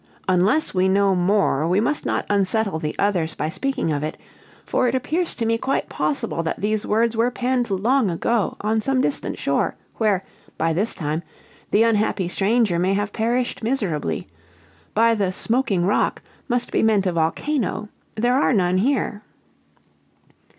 Unless we know more, we must not unsettle the others by speaking of it; for it appears to me quite possible that these words were penned long ago on some distant shore, where, by this time, the unhappy stranger may have perished miserably. By the 'smoking rock' must be meant a volcano. There are none here."